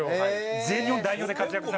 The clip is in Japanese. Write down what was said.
全日本代表で活躍されてた。